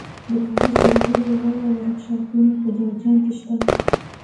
د کاغذ جوړولو واړه ورکشاپونه په جوزجان کې شته.